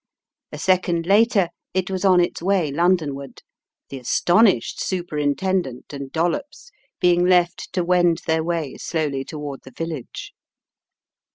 A second later it was on its way Londonward, the astonished Superintendent and Dollops being left to wend their way slowly toward the village.